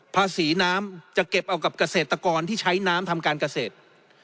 ภาษีน้ำจะเก็บเอากับเกษตรกรที่ใช้น้ำทำการเกษตร